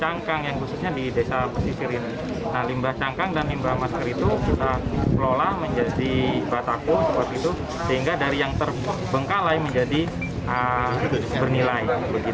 jadi cangkang yang khususnya di desa mesirin limbah cangkang dan limbah masker itu kita kelola menjadi bataku sebab itu sehingga dari yang terbengkalai menjadi bernilai